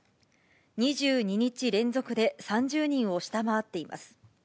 ２２日連続で３０人を下回っています。